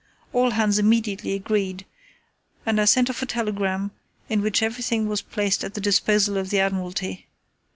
All hands immediately agreed, and I sent off a telegram in which everything was placed at the disposal of the Admiralty.